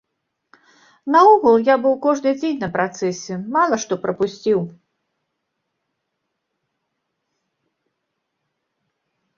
Наогул, я быў кожны дзень на працэсе, мала што прапусціў.